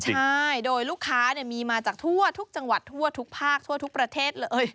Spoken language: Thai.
ใช่โดยลูกค้ามีมาจากทั่วทุกจังหวัดทั่วทุกภาคทั่วทุกประเทศเลย